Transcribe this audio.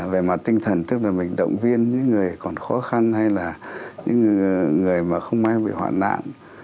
về mặt tinh thần tức là mình động viên những người còn khó khăn hay là những người mà không mang bị hoạn nạn